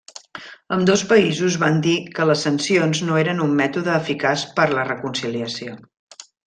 Ambdós països van dir que les sancions no eren un mètode eficaç per la reconciliació.